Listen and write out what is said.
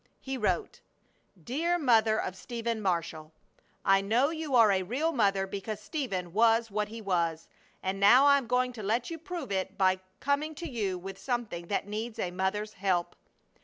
He wrote: DEAR MOTHER OF STEPHEN MARSHALL: I know you are a real mother because Stephen was what he was. And now I am going to let you prove it by coming to you with something that needs a mother's help.